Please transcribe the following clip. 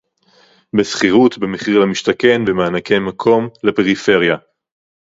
בשכירות, במחיר למשתכן, במענקי מקום לפריפריה